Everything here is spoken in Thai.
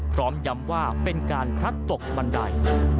พร้อมย้ำว่าเป็นการพลัดตกบันได